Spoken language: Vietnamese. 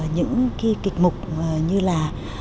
những kịch mục như là